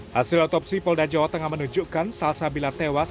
hasil otopsi polda jawa tengah menunjukkan salsa bila tewas